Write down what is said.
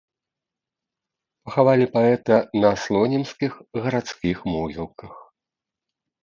Пахавалі паэта на слонімскіх гарадскіх могілках.